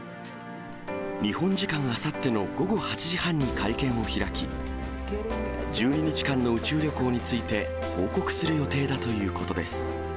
日本時間あさっての午後８時半に会見を開き、１２日間の宇宙旅行について報告する予定だということです。